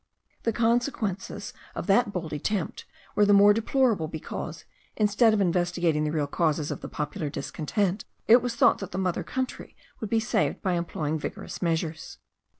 The consequences of that bold attempt were the more deplorable, because, instead of investigating the real causes of the popular discontent, it was thought that the mother country would be saved by employing vigorous measures.